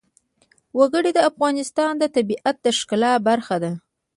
وګړي د افغانستان د طبیعت د ښکلا برخه ده.